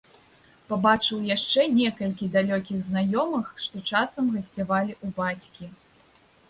Пабачыў яшчэ некалькіх далёкіх знаёмых, што часам гасцявалі ў бацькі.